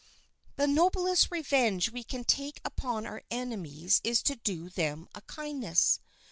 The noblest revenge we can take upon our enemies is to do them a kindness.